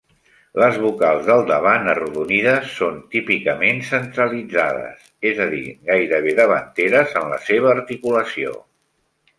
Les vocals del davant arrodonides són típicament centralitzades, és a dir, gairebé davanteres en la seva articulació.